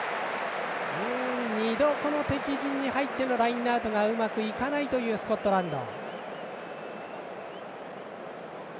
２度、敵陣に入ってのラインアウトがうまくいかないというスコットランド。